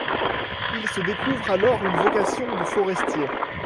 Il se découvre alors une vocation de forestier.